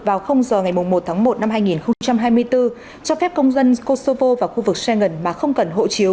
vào giờ ngày một tháng một năm hai nghìn hai mươi bốn cho phép công dân kosovo và khu vực xoay ngần mà không cần hộ chiếu